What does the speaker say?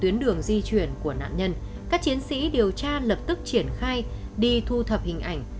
tuyến đường di chuyển của nạn nhân các chiến sĩ điều tra lập tức triển khai đi thu thập hình ảnh